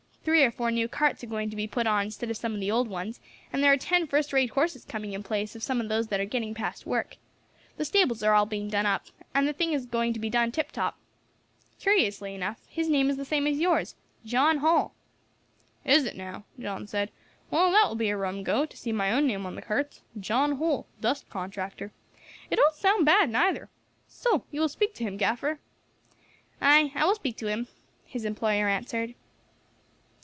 Three or four new carts are going to be put on instead of some of the old ones, and there are ten first rate horses coming in place of some of those that are getting past work. The stables are all being done up, and the thing is going to be done tip top. Curiously enough his name is the same as yours, John Holl." "Is it now?" John said. "Well, that will be a rum go, to see my own name on the carts, 'John Holl, Dust Contractor.' It don't sound bad, neither. So you will speak to him, gaffer?" "Ay, I will speak to him," his employer answered.